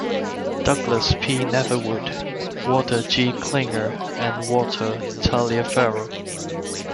Douglas P. Netherwood, Walter G. Kliner and Walter Taliaferro.